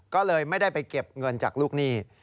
ก็เลยไม่ได้ไปเก็บเงินจากลูกหนี้